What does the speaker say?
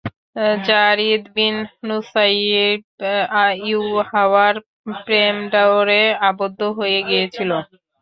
যারীদ bin Nusaiyyib ইউহাওয়ার প্রেমডোরে আবদ্ধ হয়ে গিয়েছিল।